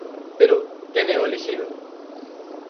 Pero, quen é o elixido?